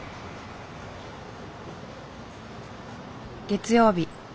月曜日